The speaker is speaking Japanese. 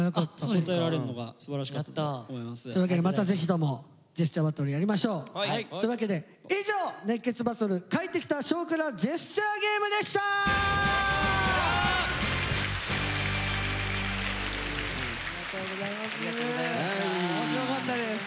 というわけでまたぜひともジェスチャーバトルやりましょう。というわけで以上「熱血バトル！」帰ってきた「少クラジェスチャーゲーム！！」でした！ありがとうございます。